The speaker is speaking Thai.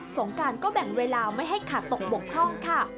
งการก็แบ่งเวลาไม่ให้ขาดตกบกพร่องค่ะ